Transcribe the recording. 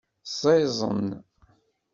Ẓiẓen.